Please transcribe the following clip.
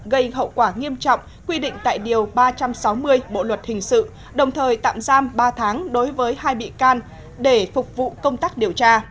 gây hậu quả nghiêm trọng quy định tại điều ba trăm sáu mươi bộ luật hình sự đồng thời tạm giam ba tháng đối với hai bị can để phục vụ công tác điều tra